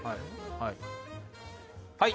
はい！